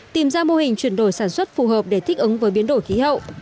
tìm ra mô hình chuyển đổi sản xuất phù hợp để thích ứng với biến đổi khí hậu